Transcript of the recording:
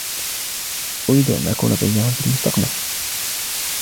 أريد أن أكون طيارا في المستقبل.